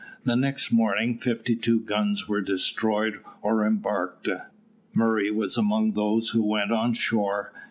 The next morning fifty two guns were destroyed or embarked. Murray was among those who went on shore.